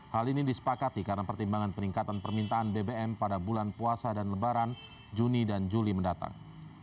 hal ini disepakati karena pertimbangan peningkatan permintaan bbm pada bulan puasa dan lebaran juni dan juli mendatang